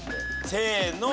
せの！